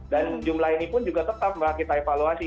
dan jumlah ini pun juga tetap kita evaluasi